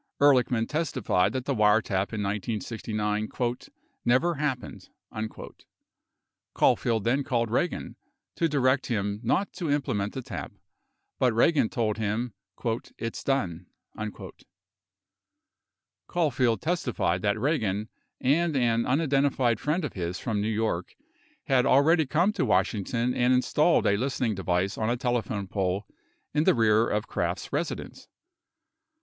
Ehrlichman testified that the wiretap in 1969 "never happened." 23 Caulfield then called Eagan to direct him not to implement the tap, but Eagan told him, "it's done." 24 Caul field testified that Eagan and an unidentified friend of his from New York had already come to Washington and installed a listening device on a telephone pole in the rear of Kraft's residence.